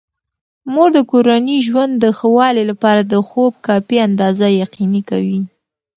مور د کورني ژوند د ښه والي لپاره د خوب کافي اندازه یقیني کوي.